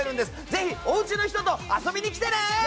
ぜひ、おうちの人と遊びに来てね！